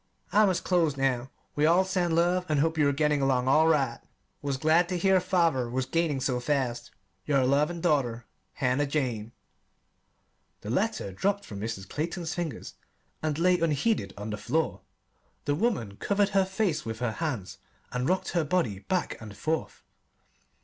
I must close now. We all send love, and hope you are getting along all right. Was glad to hear father was gaining so fast. Your loving daughter HANNAH JANE The letter dropped from Mrs. Clayton's fingers and lay unheeded on the floor. The woman covered her face with her hands and rocked her body back and forth.